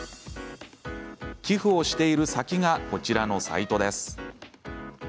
寄付をしている先がこちらのサイトです。